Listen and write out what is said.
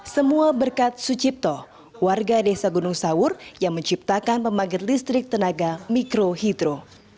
semua berkat sucipto warga desa gunung sawur yang menciptakan pembangkit listrik tenaga mikrohidro